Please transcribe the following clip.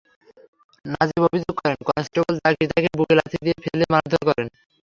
নাজিব অভিযোগ করেন, কনস্টেবল জাকির তাঁকে বুকে লাথি দিয়ে ফেলে মারধর করেন।